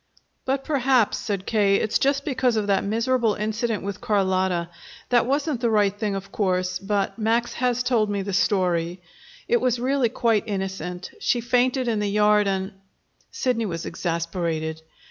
"But, perhaps," said K., "it's just because of that miserable incident with Carlotta. That wasn't the right thing, of course, but Max has told me the story. It was really quite innocent. She fainted in the yard, and " Sidney was exasperated.